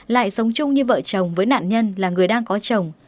lại sống chung như vợ chồng với nạn nhân là người đang có chồng